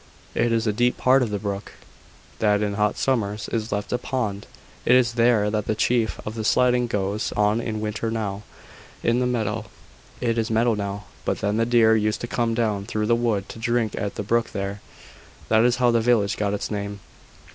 "It is a deep part of the brook, that in hot summers is left a pond. It is there that the chief of the sliding goes on in winter now, in the meadow. It is meadow now; but then the deer used to come down through the wood to drink at the brook there. That is how the village got its name."